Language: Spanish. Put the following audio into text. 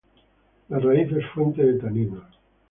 La raíz es fuente de taninos.